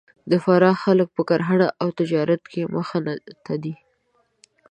د فراه خلک په کرهنه او تجارت کې مخ ته دي